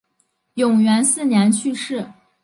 永元四年去世。